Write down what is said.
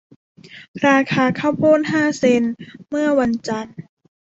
ราคาข้าวโพดห้าเซ็นต์เมื่อวันจันทร์